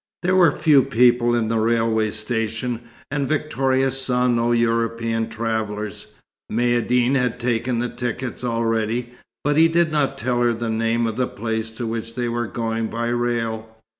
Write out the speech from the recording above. There were few people in the railway station, and Victoria saw no European travellers. Maïeddine had taken the tickets already, but he did not tell her the name of the place to which they were going by rail.